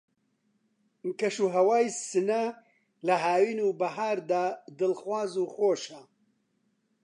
کەش و ھەوای سنە لە ھاوین و بەھار دا دڵخواز و خۆشە